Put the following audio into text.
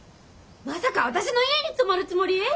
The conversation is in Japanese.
まさか私の家に泊まるつもり！？